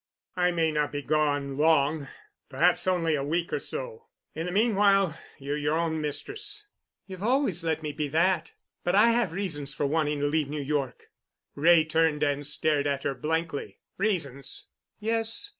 "I may not be gone long—perhaps only a week or so. In the meanwhile, you're your own mistress." "You've always let me be that. But I have reasons for wanting to leave New York." Wray turned and stared at her blankly. "Reasons?" "Yes.